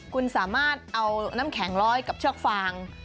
คุณสามารถเอาน้ำแข็งร้อยกับเชือกฟาง